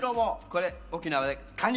これ沖縄で「カニ」。